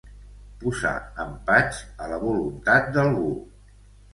Posar empatx a la voluntat d'algú.